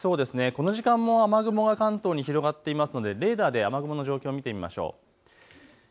この時間も雨雲は関東に広がっていますのでレーダーで雨雲の状況を見てみましょう。